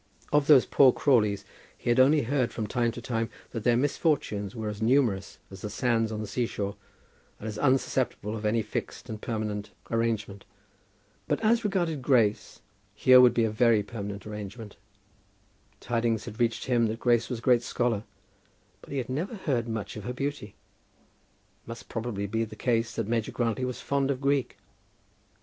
Of those poor Crawleys he had only heard from time to time that their misfortunes were as numerous as the sands on the sea shore, and as unsusceptible of any fixed and permanent arrangement. But, as regarded Grace, here would be a very permanent arrangement. Tidings had reached him that Grace was a great scholar, but he had never heard much of her beauty. It must probably be the case that Major Grantly was fond of Greek.